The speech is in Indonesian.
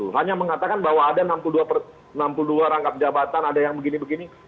hanya mengatakan bahwa ada enam puluh dua rangkap jabatan ada yang begini begini